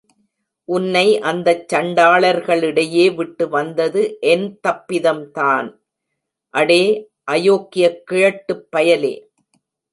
உன்னை அந்தச் சண்டாளர்களிடையே விட்டு வந்தது என் தப்பிதம்தான்........ அடே அயோக்கியக் கிழட்டுப் பயலே!